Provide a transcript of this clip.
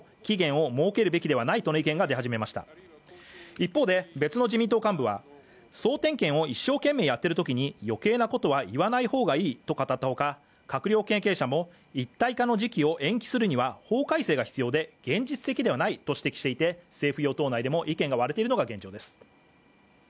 一方で別の自民党幹部は総点検を一生懸命やってる時に余計なことは言わない方がいいと語ったほか閣僚経験者も一体化の時期を延期するには法改正が必要で現実的ではないと指摘していて政府・与党内でも意見が割れているのが現状です